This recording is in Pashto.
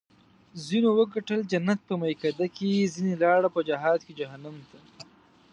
ځینو وګټل جنت په میکده کې ځیني لاړل په جهاد کې جهنم ته